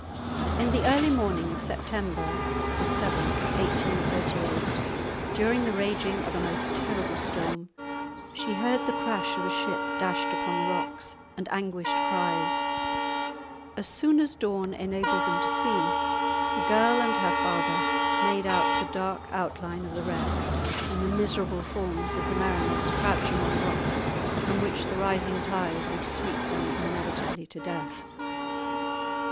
In the early morning of September 7, 1838, during the raging of a most terrible storm, she heard the crash of a ship dashed upon the rocks, and anguished cries; as soon as dawn enabled them to see, the girl and her father made out the dark outline of the wreck, and the miserable forms of the mariners crouching on rocks from which the rising tide would sweep them inevitably to death.